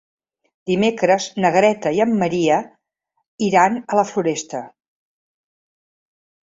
Dimecres na Greta i en Maria iran a la Floresta.